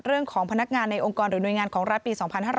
เรื่องของพนักงานในองค์กรหรือหน่วยงานของรัฐปี๒๕๐๒